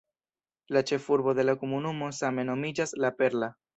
La ĉefurbo de la komunumo same nomiĝas "La Perla".